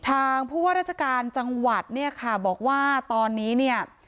ทางผู้ว่าราชการจังหวัดเนี่ยค่ะบอกว่าตอนนี้เนี่ย